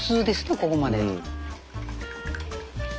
ここまで。